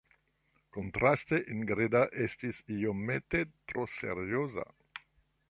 Kontraste, Ingrida estis iomete tro serioza.